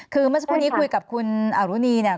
คือเมื่อสักครู่นี้คุยกับคุณอรุณีเนี่ย